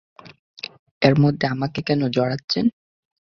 এর মধ্যে আমাকে কেন জড়াচ্ছেন?